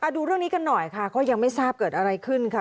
ดูเรื่องนี้กันหน่อยค่ะก็ยังไม่ทราบเกิดอะไรขึ้นค่ะ